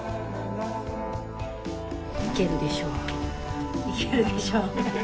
いけるでしょういけるでしょうね。